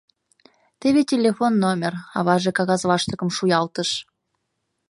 — Теве телефон номер, — аваже кагаз лаштыкым шуялтыш.